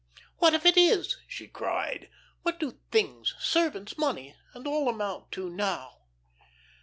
"What if it is?" she cried. "What do 'things,' servants, money, and all amount to now?"